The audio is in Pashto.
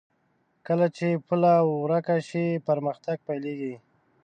کله چې پوله ورکه شي، پرمختګ پيلېږي.